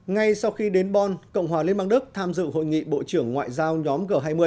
ngay sau khi đến bon cộng hòa liên bang đức tham dự hội nghị bộ trưởng ngoại giao nhóm g hai mươi